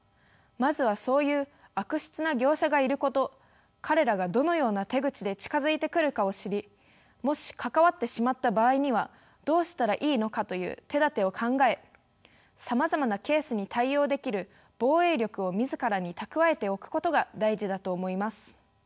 まずはそういう悪質な業者がいること彼らがどのような手口で近づいてくるかを知りもし関わってしまった場合にはどうしたらいいのかという手だてを考えさまざまなケースに対応できる防衛力を自らに蓄えておくことが大事だと思います。